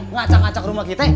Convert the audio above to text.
ngacak nacak rumah kita